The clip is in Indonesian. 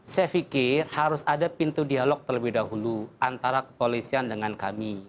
saya pikir harus ada pintu dialog terlebih dahulu antara kepolisian dengan kami